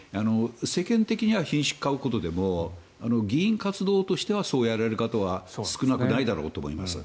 世間的にはひんしゅくを買うことでも議員活動としてはそうやられる方は少なくないだろうと思います。